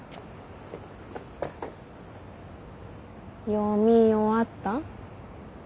読み終わった？